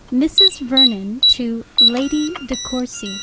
XV _Mrs. Vernon to Lady De Courcy.